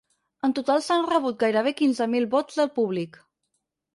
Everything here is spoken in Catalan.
En total, s’han rebut gairebé quinze mil vots del públic.